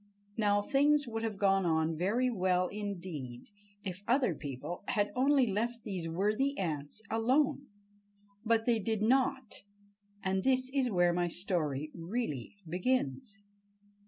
Now, things would have gone on very well indeed if other people had only left these worthy ants alone. But they did not—and this is where my story really begins.